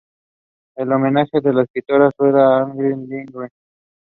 In the north League meeting continued to be broken up by Orange "bludgeon men".